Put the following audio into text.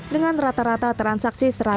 dengan rata rata transaksi